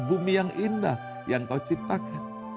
bumi yang indah yang kau ciptakan